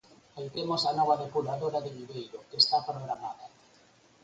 Aí temos a nova depuradora de Viveiro, que está programada.